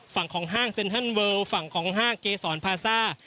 ฝั่งของห้างเซ็นทันเลิลฝั่งของห้างเกษรพาซ่า